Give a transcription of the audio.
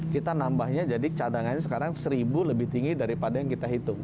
kita nambahnya jadi cadangannya sekarang seribu lebih tinggi daripada yang kita hitung